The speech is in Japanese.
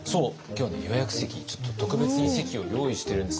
予約席ちょっと特別に席を用意してるんです。